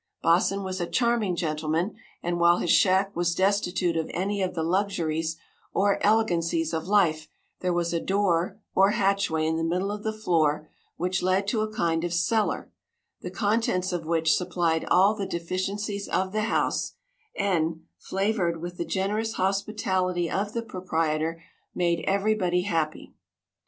Baasen was a charming gentleman, and while his shack was destitute of any of the luxuries or elegancies of life, there was a door, or hatchway, in the middle of the floor, which led to a kind of cellar, the contents of which supplied all the deficiencies of the house, and, flavored with the generous hospitality of the proprietor, made everybody happy.